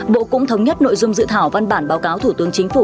bộ cũng thống nhất nội dung dự thảo văn bản báo cáo thủ tướng chính phủ